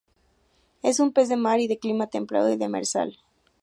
Es un pez de mar y, de clima templado y demersal.